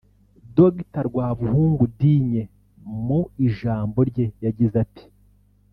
Dr Rwabuhungu Digne mu ijambo rye yagize ati